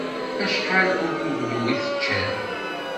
Acḥal n uguglu i teččiḍ?